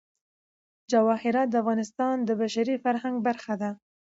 جواهرات د افغانستان د بشري فرهنګ برخه ده.